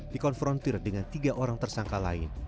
dikonfrontir dengan tiga orang tersangka lain